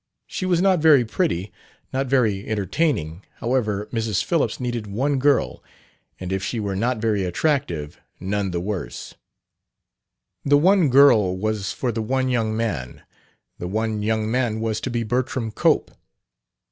She was not very pretty, not very entertaining; however, Mrs. Phillips needed one girl, and if she were not very attractive, none the worse. The one girl was for the one young man. The one young man was to be Bertram Cope.